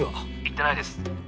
言ってないです。